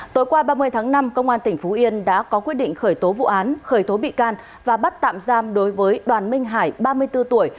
tối qua ba mươi tháng năm công an tỉnh phú yên đã có quyết định khởi tố vụ án khởi tố bị can và bắt tạm giam đối với đoàn minh hải ba mươi bốn tuổi